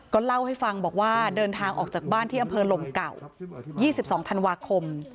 เล่าให้ฟังบอกว่าเดินทางออกจากบ้านที่อำเภอลมเก่า๒๒ธันวาคม